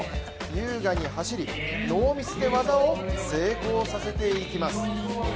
優雅に走り、ノーミスで技を成功させていきます。